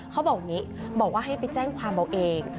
เขาบอกว่าให้ไปแจ้งความเขาเอง